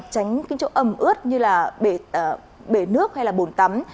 tránh những chỗ ấm ướt như là bể nước hay là bồn tắm